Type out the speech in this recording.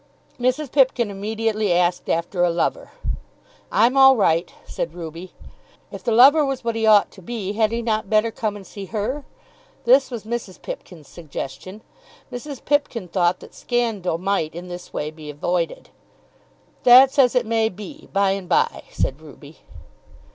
Mrs. Pipkin immediately asked after a lover. "I'm all right," said Ruby. If the lover was what he ought to be, had he not better come and see her? This was Mrs. Pipkin's suggestion. Mrs. Pipkin thought that scandal might in this way be avoided. "That's as it may be, by and by," said Ruby.